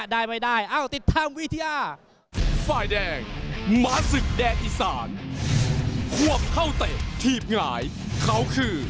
ได้ไม่ได้อ้าวติดภาพวิทยา